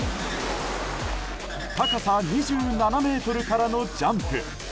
高さ２７ｍからのジャンプ。